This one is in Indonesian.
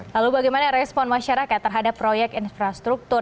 lalu bagaimana respon masyarakat terhadap proyek infrastruktur